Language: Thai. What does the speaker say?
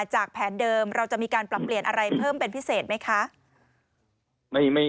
จากแผนเดิมเราจะมีการปรับเปลี่ยนอะไรเพิ่มเป็นพิเศษไหมคะ